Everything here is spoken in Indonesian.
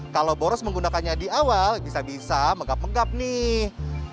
kalau boros menggunakannya di awal bisa bisa menggap menggap nih